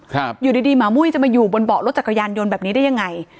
อยู่ดีดีหมามุ้ยจะมาอยู่บนเบาะรถจักรยานยนต์แบบนี้ได้ยังไง